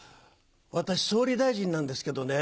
私総理大臣なんですけどね